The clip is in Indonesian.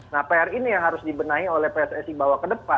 nah pr ini yang harus dibenahi oleh pssi bahwa ke depan